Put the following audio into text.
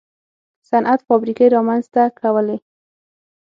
صنعت فابریکې رامنځته کولې.